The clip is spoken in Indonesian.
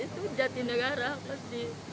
di jatinegara di kawasan situ